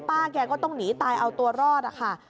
แกก็ต้องหนีตายเอาตัวรอดค่ะ